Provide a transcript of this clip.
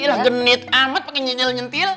gila genit amat pakai nyentil nyentil